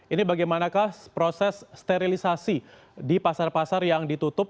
ini bagaimanakah proses sterilisasi di pasar pasar yang ditutup